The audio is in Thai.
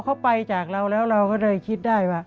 เขาไปจากเราแล้วเราก็เลยคิดได้ว่า